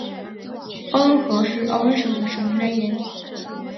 奥恩河是奥恩省的省名来源。